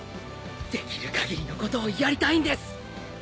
できる限りのことをやりたいんです！